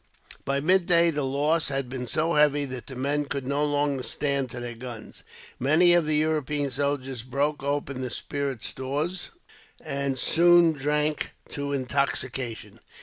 By midday, the loss had been so heavy that the men would no longer stand to their guns. Many of the European soldiers broke open the spirit stores, and soon drank to intoxication.